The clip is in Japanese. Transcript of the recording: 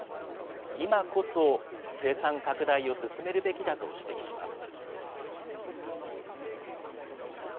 今こそ生産拡大を進めるべきだと指摘します。